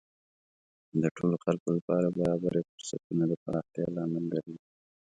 د ټولو خلکو لپاره برابرې فرصتونه د پراختیا لامل ګرځي.